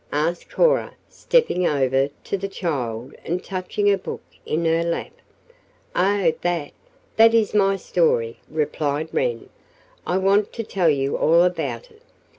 asked Cora, stepping over to the child and touching a book in her lap. "Oh, that that is my story," replied Wren. "I want to tell you all about it.